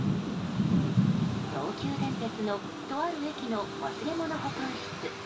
東急電鉄のとある駅の忘れ物保管室。